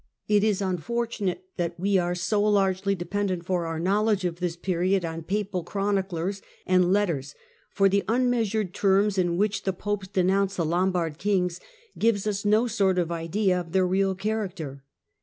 It is unfortunate that we are so largely depend ent for our knowledge of this period on Papal chroniclers and letters, for the unmeasured terms in which the Popes denounce the Lombard kings give us no sort of idea of their real character.